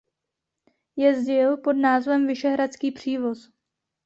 Jezdil pod názvem Vyšehradský přívoz.